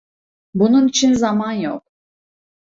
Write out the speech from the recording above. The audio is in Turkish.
Bunun için zaman yok.